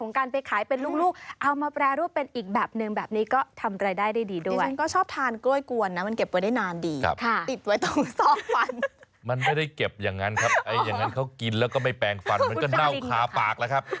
ของการไปขายเป็นรุ่งเอามาแปรรูปเป็นอีกแบบนึงแบบนี้ก็ทำ